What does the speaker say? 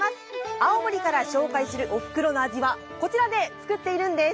青森から紹介するおふくろの味は、こちらで作っているんです。